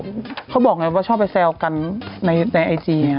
เขาบอกไงว่าชอบไปแซวกันในไอจี